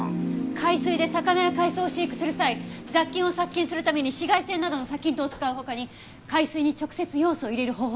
海水で魚や海藻を飼育する際雑菌を殺菌するために紫外線などの殺菌灯を使う他に海水に直接ヨウ素を入れる方法があるの。